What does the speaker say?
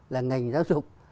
là ngành giáo dục